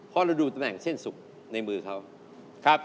เพราะเราดูต่างเส้นศุกร์ในมือเขา